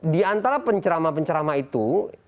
di antara penceramah penceramah itu